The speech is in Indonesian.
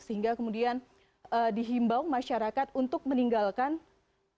sehingga kemudian dihimbau masyarakat untuk meninggalkan rumah